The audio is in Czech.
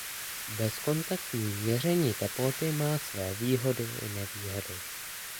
Bezkontaktní měření teploty má své výhody i nevýhody.